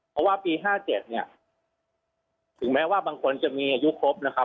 เพราะว่าปี๕๗เนี่ยถึงแม้ว่าบางคนจะมีอายุครบนะครับ